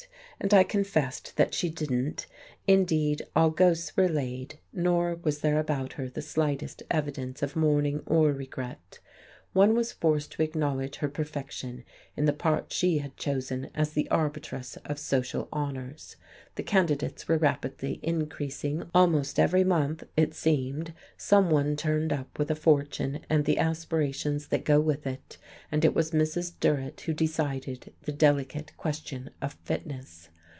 And I confessed that she didn't. Indeed, all ghosts were laid, nor was there about her the slightest evidence of mourning or regret. One was forced to acknowledge her perfection in the part she had chosen as the arbitress of social honours. The candidates were rapidly increasing; almost every month, it seemed, someone turned up with a fortune and the aspirations that go with it, and it was Mrs. Durrett who decided the delicate question of fitness.